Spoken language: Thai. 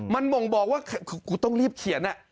มันบ่งบอกว่ากูต้องรีบเขียน